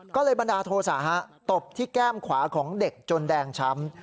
ก็เลยบันดาลโทษะตบที่แก้มขวาของเด็กจนแดงช้ำ